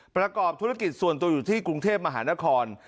ประกอบธุรกิจส่วนตัวอยู่ที่กรุงเทพมหานคร